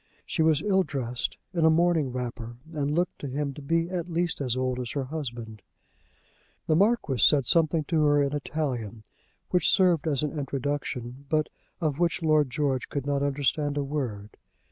She was ill dressed, in a morning wrapper, and looked to him to be at least as old as her husband. The Marquis said something to her in Italian which served as an introduction, but of which Lord George could not understand a word.